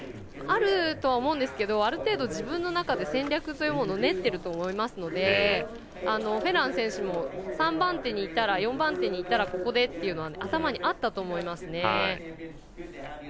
あるとは思うんですけどある程度、自分の中で戦略というのを練ってると思いますのでフェラン選手も３番手にいったら４番手にいったらここでというのは頭にあったと思いますね。